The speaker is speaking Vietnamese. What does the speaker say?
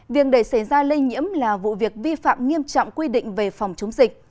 việc để xảy ra lây nhiễm là vụ việc vi phạm nghiêm trọng quy định về phòng chống dịch